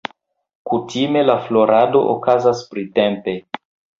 Kutime la florado okazas printempe.